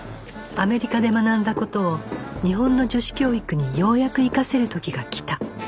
アメリカで学んだ事を日本の女子教育にようやく生かせる時がきた